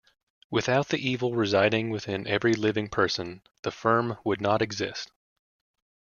Without the evil residing within every living person, the firm would not exist.